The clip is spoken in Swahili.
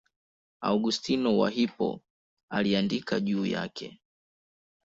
Augustino wa Hippo aliandika juu yake.